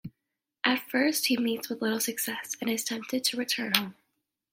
At first he meets with little success, and is tempted to return home.